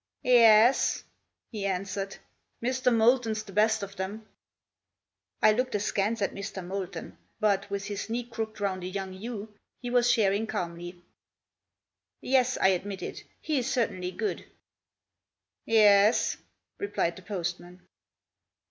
"Yaas," he answered; "Mr. Molton's the best of them." I looked askance at Mr. Molton; but, with his knee crooked round a young ewe, he was shearing calmly. "Yes," I admitted, "he is certainly good." "Yaas," replied the postman.